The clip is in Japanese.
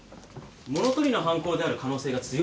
物取りの犯行である可能性が強いようです。